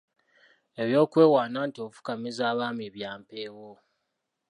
Eby’okwewaana nti ofukamiza abaami bya mpewo.